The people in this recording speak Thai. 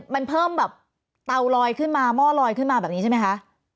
มันเพิ่มแบบเตาลอยขึ้นมาหม้อลอยขึ้นมาแบบนี้ใช่ไหมคะ